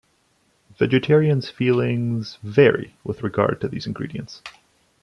Vegetarians' feelings vary with regard to these ingredients.